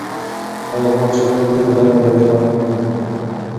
دی غواړي چې خپله لور په ګرمه ډوډۍ مړه کړي.